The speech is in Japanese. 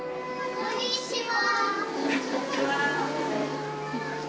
こんにちは。